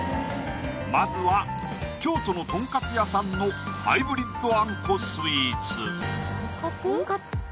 まずは京都のトンカツ屋さんのハイブリッドあんこスイーツトンカツ？